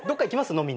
飲みに。